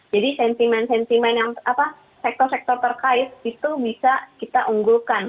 jadi sentimen sentimen yang apa sektor sektor terkait itu bisa kita unggulkan